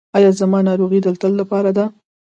ایا زما ناروغي د تل لپاره ده؟